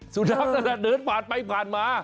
สุนัขนั้นเดินผ่านไปผ่านมา